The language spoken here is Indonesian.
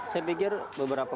saya pikir beberapa